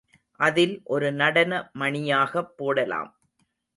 அதில் ஒரு நடன மணியாகப் போடலாம்.